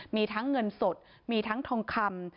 มีทั้งเงินสดมีทั้งทองคำ